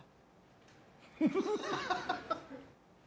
フフフ。